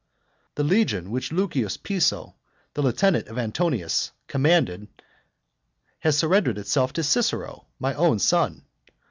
The legion which Lucius Piso, the lieutenant of Antonius, commanded, has surrendered itself to Cicero, my own son.